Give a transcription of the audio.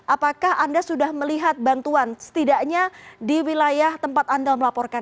apakah anda sudah melihat bantuan setidaknya di wilayah tempat anda melaporkan